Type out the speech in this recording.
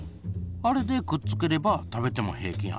あれでくっつければ食べても平気やん？